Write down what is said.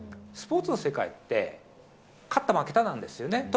スポーツの世界って、勝った負けたなんですよね。